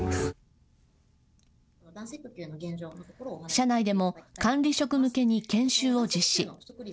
社内でも管理職向けに研修を実施。